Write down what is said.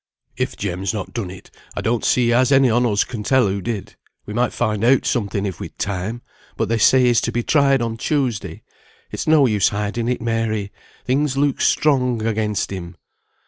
"If Jem's not done it, I don't see as any on us can tell who did. We might find out something if we'd time; but they say he's to be tried on Tuesday. It's no use hiding it, Mary; things looks strong against him."